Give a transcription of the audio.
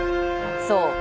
そう。